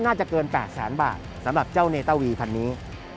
น่าจะเกิน๘แสนบาทสำหรับเจ้าเนต้าวีพันนี้